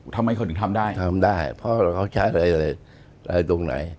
ทำไมเขาถึงทำได้ทำได้เพราะเขาใช้อะไรตรงไหน